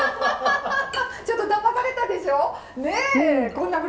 ちょっとだまされたでしょう？